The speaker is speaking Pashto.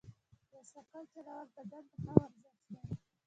بایسکل چلول بدن ته ښه ورزش دی.